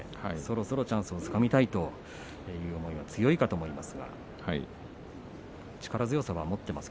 そろそろチャンスをつかみたいという思いが強いかと思います。